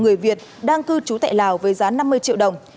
người việt đang cư trú tại lào với giá năm mươi triệu đồng